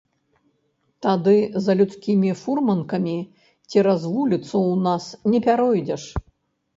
Тады за людскімі фурманкамі цераз вуліцу ў нас не пяройдзеш.